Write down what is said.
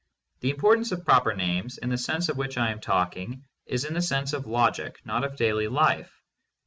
The importance of proper names, in the sense of which I am talking, is in the sense of logic, not of daily life.